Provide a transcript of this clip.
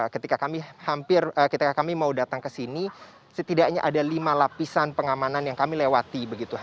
ketika kami hampir ketika kami mau datang ke sini setidaknya ada lima lapisan pengamanan yang kami lewati begitu